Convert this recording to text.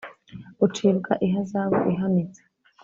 Ucibwa ihazabu ihanitse